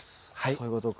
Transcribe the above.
そういうことか。